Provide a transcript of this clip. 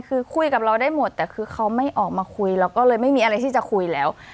คือคุยกับเราได้หมดแต่คือเขาไม่ออกมาคุยเราก็เลยไม่มีอะไรที่จะคุยแล้ว